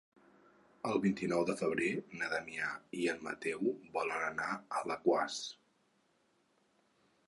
El vint-i-nou de febrer na Damià i en Mateu volen anar a Alaquàs.